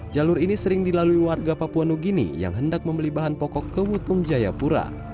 jalur ini sering dilalui warga papua new guinea yang hendak membeli bahan pokok ke wutung jayapura